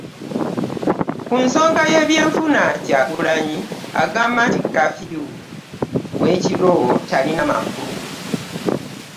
Ku nsonga y'ebyenfuna Kyagulanyi agamba nti kaafiyu w'ekiro talina makulu